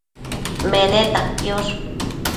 Meneta quiosh